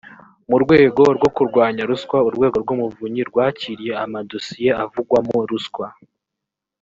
mu rwego rwo kurwanya ruswa urwego rw umuvunyi rwakiriye amadosiye avugwamo ruswa